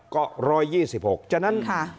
ก็๑๒๖ฉะนั้น